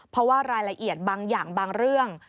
เพราะว่ารายละเอียดบางอย่างบางเรื่อง